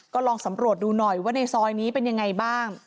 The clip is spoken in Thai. ก็ลองสำรวจดูหน่อยว่าในซอยนี้เป็นยังไงบ้าง